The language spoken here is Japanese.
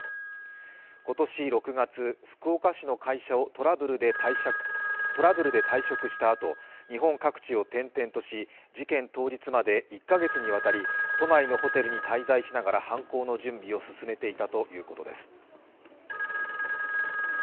今年６月、福岡市の会社をトラブルで退職したあと、日本各地を転々とし、事件当日まで１カ月にわたり都内のホテルに滞在しながら犯行の準備を進めていたということです。